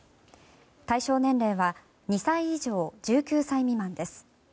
対象年齢は２歳以上１９歳未満です。